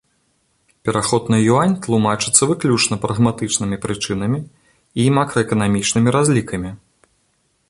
Пераход на юань тлумачыцца выключна прагматычнымі прычынамі і макраэканамічнымі разлікамі.